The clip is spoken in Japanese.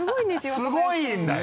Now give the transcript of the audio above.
すごいんだよ。